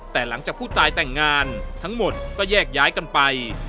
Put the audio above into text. แต่หลังจากผู้ตายแต่งงานทั้งหมดก็แยกย้ายกันไป